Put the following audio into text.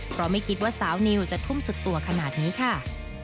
เพราะไม่คิดว่าสาวนิวจะทุ่มสุดตัวขนาดนี้ค่ะ